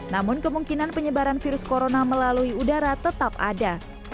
namun kemungkinan penyebaran virus corona melalui udara tetap ada